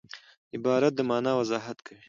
عبارت د مانا وضاحت کوي.